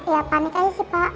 ya panik aja sih pak